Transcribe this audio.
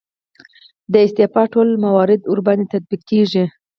د استعفا ټول موارد ورباندې تطبیق کیږي.